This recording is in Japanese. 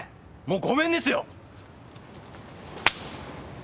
もうごめんですよ！